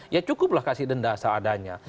ya cukuplah kasih denda seadanya